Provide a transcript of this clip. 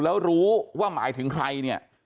แล้วรู้ว่ามายถึงใคร